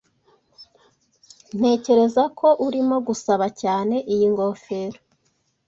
Ntekereza ko urimo gusaba cyane iyi ngofero.